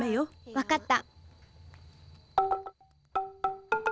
わかった。